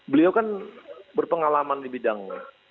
beliau kan berpengalaman di bidang